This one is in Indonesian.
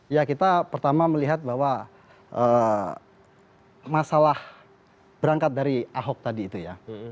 ya kita pertama melihat bahwa masalah berangkat dari ahok tadi itu ya